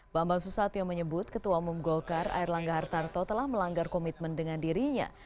bambang susatyo menyebut ketua umum golkar air langga hartarto telah melanggar komitmen dengan dirinya